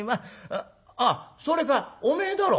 あっそれかお前だろ